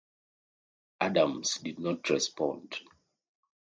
Adams did not respond.